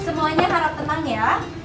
semuanya harap tenang ya